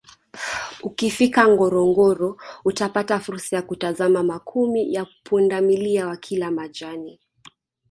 Ukifika Ngorongoro utapata fursa ya kutazama makumi ya pundamilia wakila majani